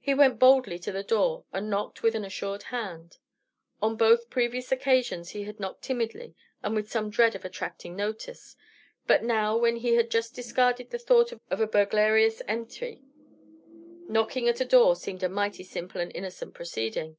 He went boldly to the door, and knocked with an assured hand. On both previous occasions he had knocked timidly and with some dread of attracting notice; but now, when he had just discarded the thought of a burglarious entry, knocking at a door seemed a mighty simple and innocent proceeding.